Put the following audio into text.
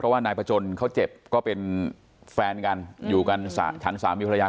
ว่านายพจนเขาเจ็บก็เป็นแฟนกันอยู่กันฉันสามีภรรยา